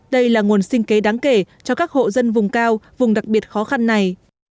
đây là nguồn sinh kế đáng kể cho các hộ dân vùng cao vùng đặc biệt khó khăn này